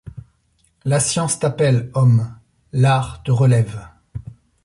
La science t’appelle, homme, l’art te relève